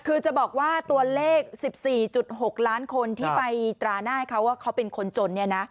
คือจะบอกว่าตัวเลข๑๔๖ล้านคนที่ไปตราหน้าให้เขาว่าเขาเป็นคนจนเนี่ยนะ